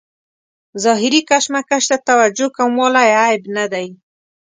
ظاهري کشمکش ته توجه کموالی عیب نه دی.